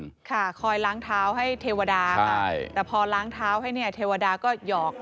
ค่ะคอยล้างเท้าให้เทวดาค่ะใช่แต่พอล้างเท้าให้เนี่ยเทวดาก็หยอก